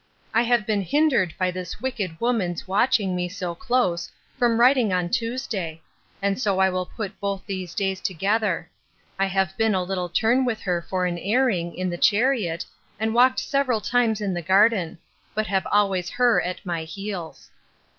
I have been hindered by this wicked woman's watching me so close, from writing on Tuesday; and so I will put both these days together. I have been a little turn with her for an airing, in the chariot, and walked several times in the garden; but have always her at my heels.